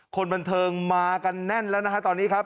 คนบันเทิงมากันแน่นแล้วนะฮะตอนนี้ครับ